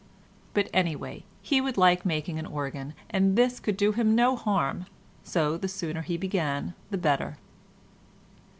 ... But, anyway, he would like making an organ, and this could do him no harm, so the sooner he began the better.